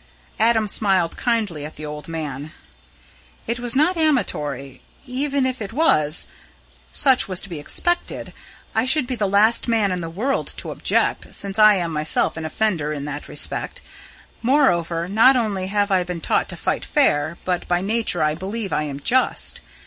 Adam smiled kindly at the old man. "It was not amatory. Even if it was, such was to be expected. I should be the last man in the world to object, since I am myself an offender in that respect. Moreover, not only have I been taught to fight fair, but by nature I believe I am just.